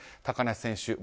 高梨選手